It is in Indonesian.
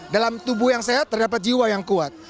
dalam tubuh yang sehat terdapat jiwa yang kuat